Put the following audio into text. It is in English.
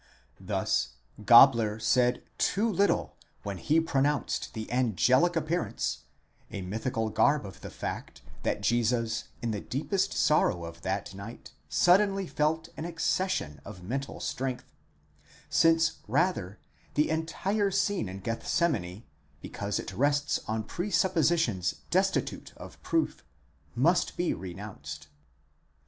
—Thus Gabler said too little when he pronounced the angelic appearance, a mythical garb of the fact ARREST OF JESUS, _| 649 that Jesus in the deepest sorrow of that night suddenly felt an accession of mental strength ; since rather, the entire scene in Gethsemane, because it rests on presuppositions destitute of proof, must be renounced.